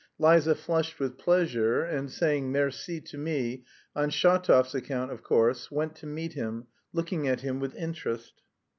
Liza flushed with pleasure, and saying "merci" to me, on Shatov's account of course, went to meet him, looking at him with interest.